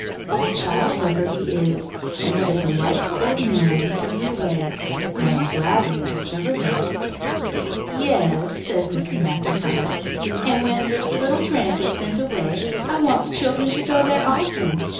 What a child lover he is, and what a delightful old man in every way! I am glad we have discovered him." "Yes," said Mrs. Maclntyre; "and when this little tramp is sent away, I want the children to go there often.